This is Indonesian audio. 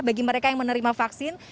bagi mereka yang menerima vaksin